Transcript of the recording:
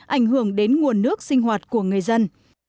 ảnh hưởng đến nguồn nước sinh hoạt của người dân